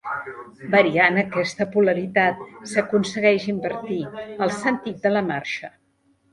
Variant aquesta polaritat s'aconsegueix invertir el sentit de la marxa.